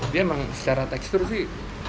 dia emang secara tekstur sih